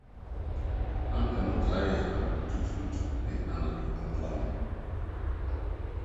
Na ɛno taa yɛ anɔpa tutuutu ne anadwo kɔnkɔn.